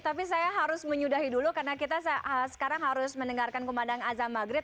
tapi saya harus menyudahi dulu karena kita sekarang harus mendengarkan kumandang azam maghrib